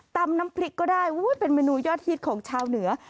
น้ำพริกก็ได้เป็นเมนูยอดฮิตของชาวเหนือ